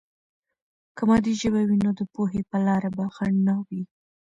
که مادي ژبه وي، نو د پوهې په لاره به خنډ نه وي.